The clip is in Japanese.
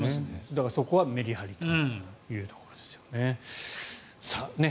だからそこはメリハリというところですよね。